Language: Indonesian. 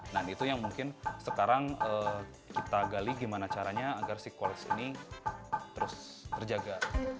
nah itu yang mungkin sekarang kita gali gimana caranya agar si kualitas ini terus terjaga